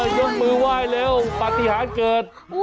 ยกมือไหว้เร็วปฏิหารเกิด